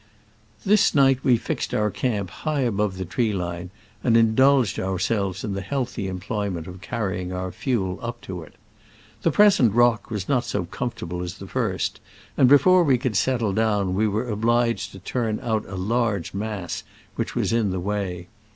This night we fixed our camp high above the tree line, and indulged our selves in the healthy employment of carrying our fuel up to it. The present rock was not so comfortable as the first, and before we could settle down we were obliged to turn out a large mass which was in the way.